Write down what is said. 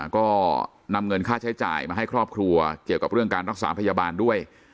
ก็นำเงินค่าใช้จ่ายมาให้ครอบครัวเกี่ยวกับเรื่องการรักษาพยาบาลด้วย